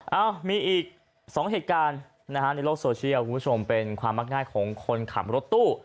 เอ้ามีอีก๒เหตุการณ์นะฮะในโลกโซเชียลคุณผู้ชมเป็นความมักง่ายของคนขับรถตู้